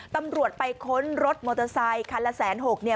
ตำรวจไปค้นรถมอเตอร์ไซคันละแสนหกเนี่ย